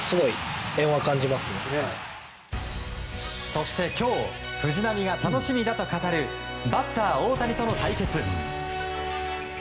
そして今日藤浪が楽しみだと語るバッター大谷との対決！